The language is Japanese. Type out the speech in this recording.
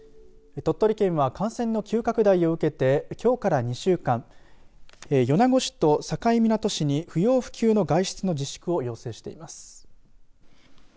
鳥取県は感染の急拡大を受けてきょうから２週間米子市と境港市に不要不急の外出の自粛を要請しています。